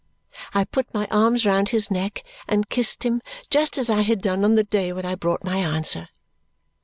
I put my arms round his neck and kissed him just as I had done on the day when I brought my answer.